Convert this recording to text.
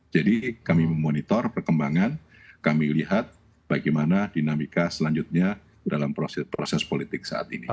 jadi kami memonitor perkembangan kami lihat bagaimana dinamika selanjutnya dalam proses politik saat ini